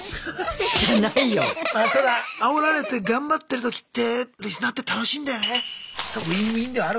ただあおられて頑張ってる時ってリスナーって楽しいんだよね。